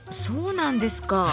そうなんですか。